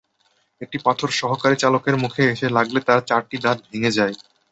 একটি পাথর সহকারী চালকের মুখে এসে লাগলে তাঁর চারটি দাঁত ভেঙে যায়।